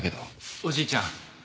おじいちゃん